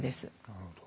なるほど。